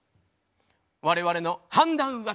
我々の判断は。